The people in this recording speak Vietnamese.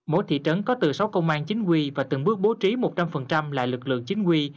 mỗi thị trấn có từ sáu công an chính quy và từng bước bố trí một trăm linh lại lực lượng chính quy